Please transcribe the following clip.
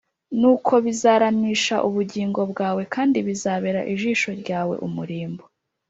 nuko bizaramisha ubugingo bwawe, kandi bizabera ijosi ryawe umurimbo